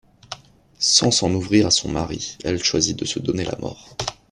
Sans s'en ouvrir à son mari, elle choisit de se donner la mort.